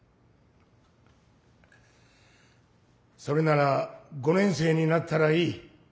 それなら５年生になったらいい。